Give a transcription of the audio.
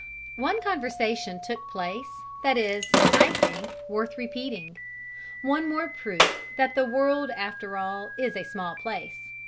One conversation took place that is, I think, worth repeating: one more proof that the world after all is a small place.